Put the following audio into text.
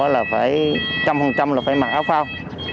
một trăm linh là phải mặc áo phao